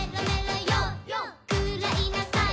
「くらいなさい！